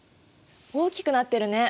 大きくなってるね。